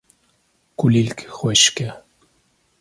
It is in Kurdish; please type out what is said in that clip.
Kulîlk xweşik e